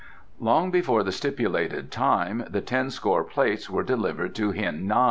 Long before the stipulated time the tenscore plates were delivered to Hien Nan.